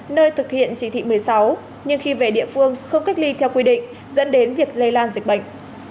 nơi thực hiện chỉ thị một mươi sáu nhưng khi về địa phương không cách ly theo quy định dẫn đến việc lây lan dịch bệnh